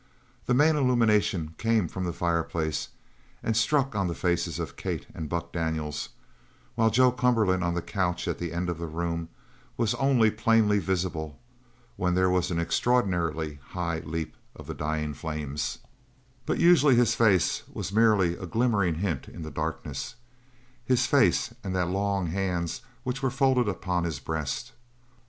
The main illumination came from the fireplace and struck on the faces of Kate and Buck Daniels, while Joe Cumberland, on the couch at the end of the room, was only plainly visible when there was an extraordinarily high leap of the dying flames; but usually his face was merely a glimmering hint in the darkness his face and the long hands which were folded upon his breast.